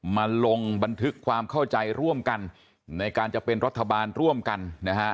มาลงบันทึกความเข้าใจร่วมกันในการจะเป็นรัฐบาลร่วมกันนะฮะ